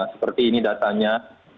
seperti ini datanya